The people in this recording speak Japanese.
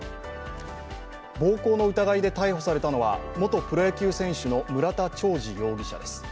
暴行の疑いで逮捕されたのは元プロ野球選手の村田兆治容疑者です。